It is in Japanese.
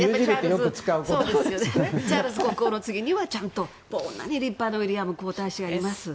チャールズ国王の次にはちゃんとこんなに立派なウィリアム皇太子がいます。